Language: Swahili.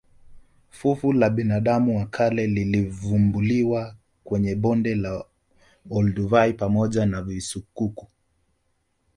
Fuvu la binadamu wa kale lilivumbuliwa kwenye bonde la olduvai pamoja na visukuku